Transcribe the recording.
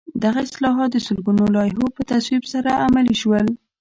دغه اصلاحات د سلګونو لایحو په تصویب سره عملي شول.